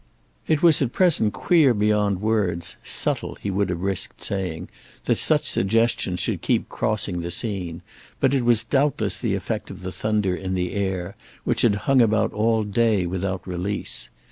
It was at present queer beyond words, "subtle," he would have risked saying, that such suggestions should keep crossing the scene; but it was doubtless the effect of the thunder in the air, which had hung about all day without release.